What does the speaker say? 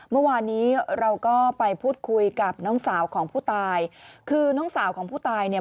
เมื่อวานนี้เราก็ไปพูดคุยกับน้องสาวของผู้ตายคือน้องสาวของผู้ตายเนี่ย